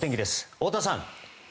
太田さん。